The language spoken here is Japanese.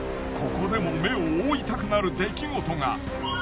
ここでも目を覆いたくなる出来事が。